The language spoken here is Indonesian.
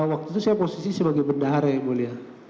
waktu itu saya posisi sebagai bendahara yang mulia